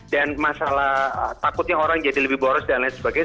dan masalah takutnya orang jadi lebih boros dan lain sebagainya